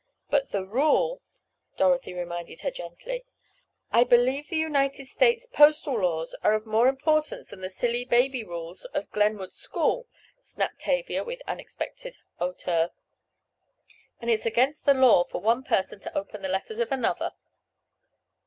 "But the rule," Dorothy reminded her gently. "I believe the United States postal laws are of more importance than the silly, baby rules of Glenwood school," snapped Tavia with unexpected hauteur, "and it's against the law for one person to open the letters of another."